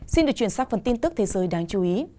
xin được truyền sát phần tin tức thế giới đáng chú ý